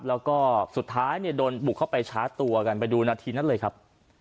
แล้วก็สุดท้ายเนี่ยโดนบุกเข้าไปชาร์จตัวกันไปดูนาทีนั้นเลยครับ